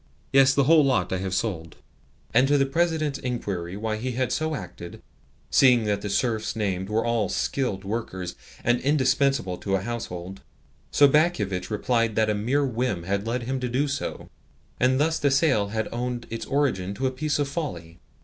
Yes, the whole lot I have sold." And to the President's inquiry why he had so acted, seeing that the serfs named were all skilled workers and indispensable to a household, Sobakevitch replied that a mere whim had led him to do so, and thus the sale had owed its origin to a piece of folly.